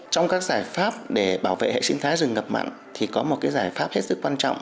trong các giải pháp để bảo vệ hệ sinh thái rừng ngập mặn thì có một giải pháp hết sức quan trọng